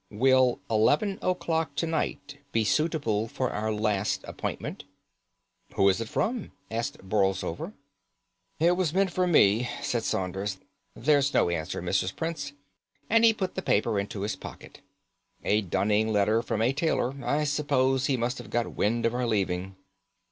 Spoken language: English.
"Will eleven o'clock to night be suitable for our last appointment?" "Who is it from?" asked Borlsover. "It was meant for me," said Saunders. "There's no answer, Mrs. Prince," and he put the paper into his pocket. "A dunning letter from a tailor; I suppose he must have got wind of our leaving."